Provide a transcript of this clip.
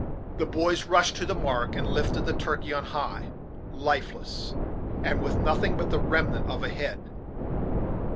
The boys rushed to the mark, and lifted the turkey on high, lifeless, and with nothing but the remnant of a head.